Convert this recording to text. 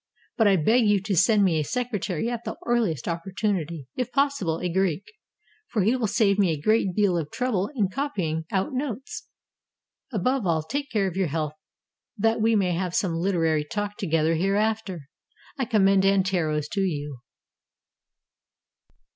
But I beg you to send me a secre tary at the earliest opportunity — if possible a Greek ; for he will save me a great deal of trouble in copying out notes. Above all, take care of your health, that we may have some literary talk together hereafter. I commend Anteros to you.